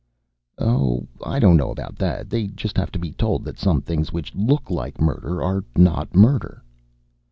"Oh, I don't know about that. They just have to be told that some things which look like murder are not murder."